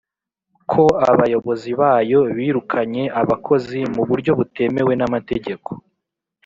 ko Abayobozi bayo birukanye abakozi mu buryo butemewe n amategeko